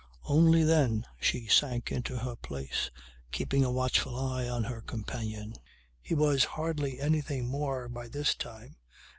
Only then she sank into her place keeping a watchful eye on her companion. He was hardly anything more by this time.